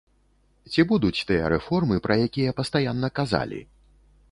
Ці будуць тыя рэформы, пра якія пастаянна казалі?